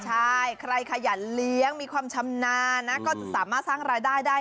ใช่ใครขยันเลี้ยงมีความชำนาญนะก็จะสามารถสร้างรายได้ได้